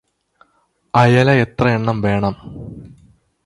അയല എത്രയെണ്ണം വേണം?